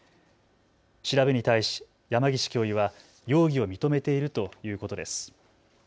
調べに対し山岸教諭は容疑を認めているということです。